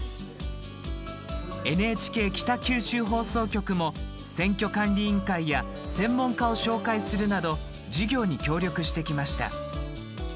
ＮＨＫ北九州放送局も選挙管理委員会や専門家を紹介するなど授業に協力してきました。